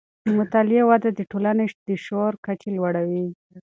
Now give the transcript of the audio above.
د مطالعې وده د ټولنې د شعور کچې لوړوي.